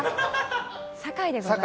堺でございます。